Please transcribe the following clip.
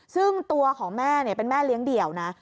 ซึ่งตัวของแม่เป็นแม่เลี้ยงเดี่ยวนะ